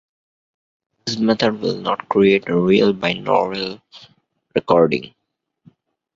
This method will not create a real binaural recording.